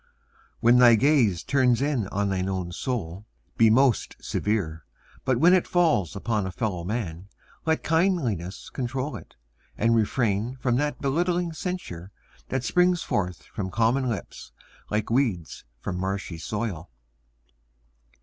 When thy gaze Turns in on thine own soul, be most severe. But when it falls upon a fellow man Let kindliness control it; and refrain From that belittling censure that springs forth From common lips like weeds from marshy soil.